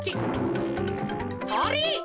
あれ？